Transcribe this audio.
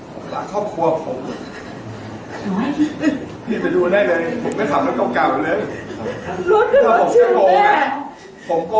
ผมกระข้อครอบครัวผม